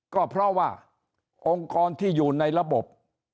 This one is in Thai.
ก็เพราะว่าองค์กรที่อยู่ในระบบ